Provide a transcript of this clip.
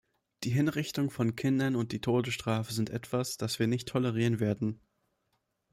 Die Hinrichtung von Kindern und die Todesstrafe sind etwas, das wir nicht tolerieren werden.